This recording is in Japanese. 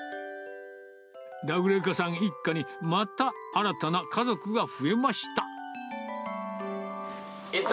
ラグレカさん一家に、また新たな家族が増えました。